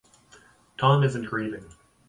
Tom isn't grieving.